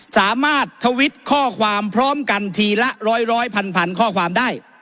สามารถทวิตข้อความพร้อมกันทีละร้อยร้อยพันพันข้อความได้